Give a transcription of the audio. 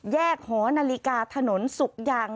หอนาฬิกาถนนสุกยาง